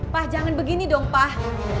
pak jangan begini dong pak